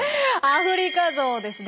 アフリカゾウです。